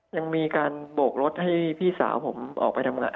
ยังมีการโบกรถให้พี่สาวผมออกไปทำงาน